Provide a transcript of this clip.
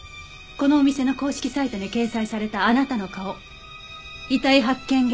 このお店の公式サイトに掲載されたあなたの顔遺体発見